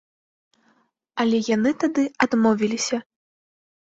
Але яны тады адмовіліся.